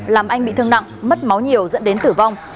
làm anh bị thương nặng mất máu nhiều dẫn đến tử vong